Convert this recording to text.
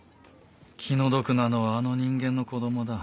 気の毒なのはあの人間の子供だ。